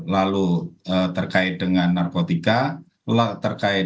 lalu terkait dengan narkotika terkait